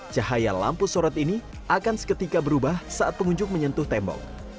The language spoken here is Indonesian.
cahaya lampu sorot ini akan seketika berubah saat pengunjung menyentuh tembok